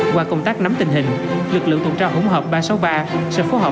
qua công tác nắm tình hình lực lượng tuần tra hỗn hợp ba trăm sáu mươi ba sẽ phối hợp